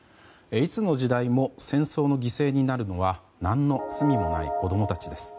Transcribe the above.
いつの時代も戦争の犠牲になるのは何の罪もない子供たちです。